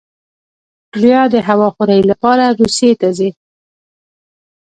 بیا د هوا خورۍ لپاره روسیې ته ځي.